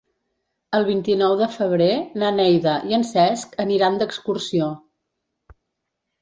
El vint-i-nou de febrer na Neida i en Cesc aniran d'excursió.